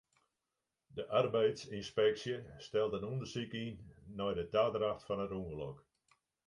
De arbeidsynspeksje stelt in ûndersyk yn nei de tadracht fan it ûngelok.